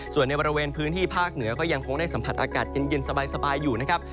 ส่วนในบริเวณพื้นที่ภาคเหนือก็ยังคงได้สัมผัสอากาศเย็นสบายอยู่นะครับ